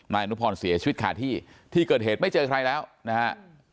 นายอนุพรเสียชีวิตคาที่ที่เกิดเหตุไม่เจอใครแล้วนะฮะ